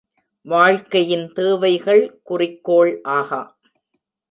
வாழ்க்கையின் தேவைகள் குறிக்கோள் ஆகா.